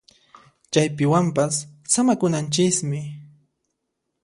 Chaypiwanpas samakunanchismi